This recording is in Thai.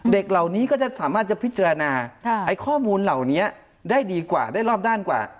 เด็กเหล่านี้ก็จะสามารถจะพิจารณาไอ้ข้อมูลเหล่านี้ได้ดีกว่าได้รอบด้านกว่า